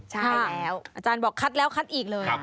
ใช่แล้วอาจารย์บอกคัดแล้วคัดอีกเลย